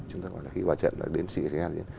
chúng ta gọi là khi vào trận là đến xị xe diễn